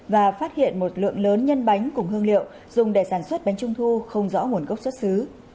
và phát hiện một lượng lớn nhân bánh cùng hương liệu dùng để sản xuất bánh trung thu không rõ nguồn gốc xuất xứ